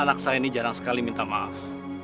anak saya ini jarang sekali minta maaf